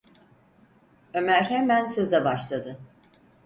Ömer hemen söze başladı: